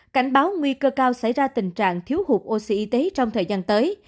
cảnh báo nguy cơ cao xảy ra tình trạng thiếu hụt oxy y tế trong thời gian tới